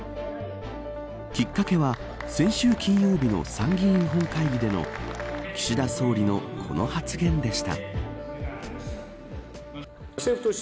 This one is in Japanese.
きっかけは先週金曜日の参議院本会議での岸田総理のこの発言でした。